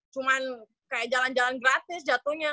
cuman kayak jalan jalan gratis jatuhnya